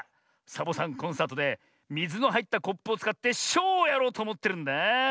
サボさんコンサートでみずのはいったコップをつかってショウをやろうとおもってるんだあ。